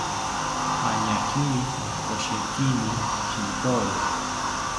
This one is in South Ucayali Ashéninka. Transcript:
Añakiri oshekini shintori